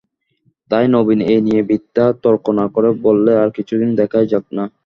তাই নবীন এ নিয়ে বৃথা তর্ক না করে বললে, আর কিছুদিন দেখাই যাক-না।